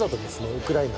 ウクライナ